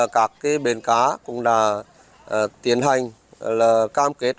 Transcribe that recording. các biên cá cũng đã tiến hành cam kết